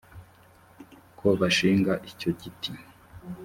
ko bashinga icyo giti